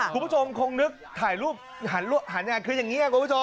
คุณผู้ชมคงนึกถ่ายรูปหันนะคืออย่างนี้อ่ะ